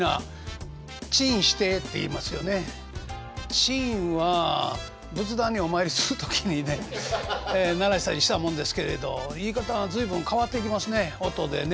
「チン」は仏壇にお参りする時にね鳴らしたりしたもんですけれど言い方が随分変わってきますね音でね。